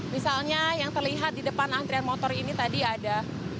misalnya yang terlihat di depan antrian motor ini tadi ada